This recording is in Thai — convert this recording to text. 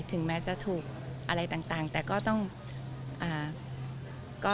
ถึงแล้วจะถูกอะไรต่างแต่ก็ต้องเอิ่ม